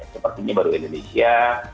sepertinya baru indonesia